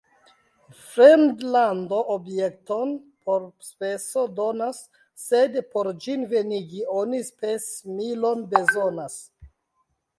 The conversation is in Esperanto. Fremdlando objekton por speso donas, sed por ĝin venigi, oni spesmilon bezonas.